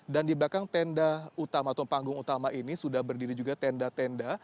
dan di belakang tenda utama atau panggung utama ini sudah berdiri juga tenda tenda